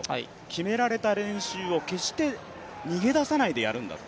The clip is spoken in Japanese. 決められた練習を決して逃げ出さないでやるんだと。